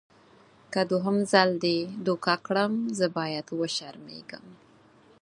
که دوهم ځل دې دوکه کړم زه باید وشرمېږم.